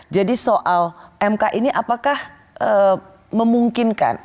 jadi soal mk ini apakah memungkinkan